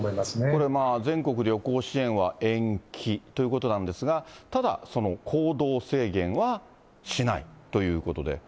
これまあ、全国旅行支援は延期ということなんですが、ただ行動制限はしないということで。